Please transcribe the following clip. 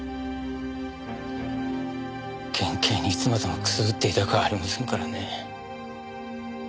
県警にいつまでもくすぶっていたくはありませんからね。